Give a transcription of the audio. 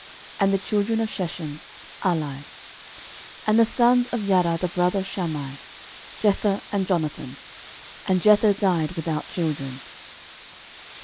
And the children of Sheshan; Ahlai. 13:002:032 And the sons of Jada the brother of Shammai; Jether, and Jonathan: and Jether died without children.